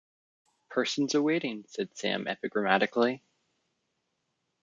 ‘Person’s a-waiting,’ said Sam, epigrammatically.